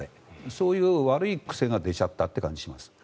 そういう悪い癖が出ちゃったという感じがします。